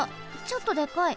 ちょっとでかい。